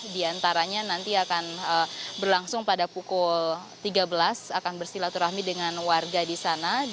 di antaranya nanti akan berlangsung pada pukul tiga belas akan bersilaturahmi dengan warga di sana